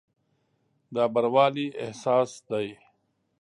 دا بروالي احساس دی.